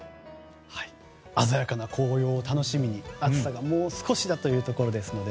鮮やかな紅葉を楽しみに暑さがもう少しだというところですので。